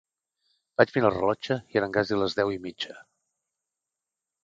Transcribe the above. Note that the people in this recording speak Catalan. Vaig mirar el rellotge, i eren casi les deu i mitja.